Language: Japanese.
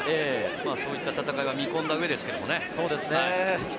そういった戦いを見込んだ上ですけどね。